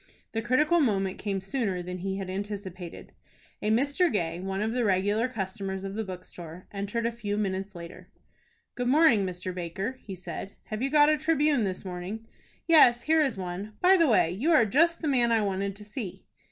The critical moment came sooner than he had anticipated. A Mr. Gay, one of the regular customers of the bookstore, entered a few minutes later. "Good morning, Mr. Baker," he said. "Have you got a 'Tribune' this morning?" "Yes, here is one. By the way, you are just the man I wanted to see."